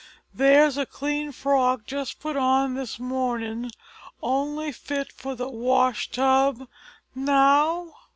There's a clean frock just put on this mornin' only fit for the wash tub now?"